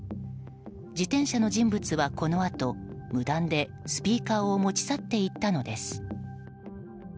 自転車の人物はこのあと無断でスピーカーを持ち去っていったのです。